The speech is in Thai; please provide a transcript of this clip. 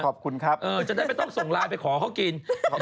ขอบคุณครับจะได้ไม่ต้องส่งไลน์ไปขอเขากิน